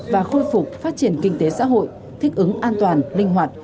và khôi phục phát triển kinh tế xã hội thích ứng an toàn linh hoạt